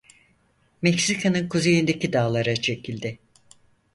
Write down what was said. Meksika'nın kuzeyindeki dağlara çekildi.